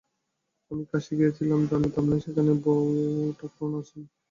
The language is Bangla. আমি কাশী গিয়াছিলাম, জানিতাম না, সেখানে বউঠাকরুণ আছেন।